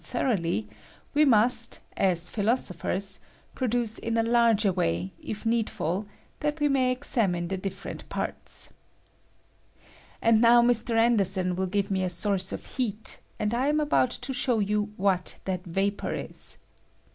I ^^H thoroughly, we must, aa philosophers, produce ^^H in a larger way, if needful, that we may es ^^H (unine the different parts. And now Mr, An ^^B derson will give me a source of heat, and I am ^^^1 about to show you what that vapor is.